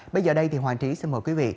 bây giờ đây thì hoàng trí xin mời quý vị